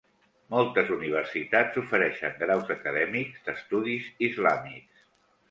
Moltes universitats ofereixen graus acadèmics d'estudis islàmics.